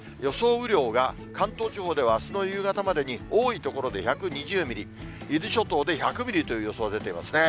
雨量が関東地方ではあすの夕方までに多い所で１２０ミリ、伊豆諸島で１００ミリという予想出ていますね。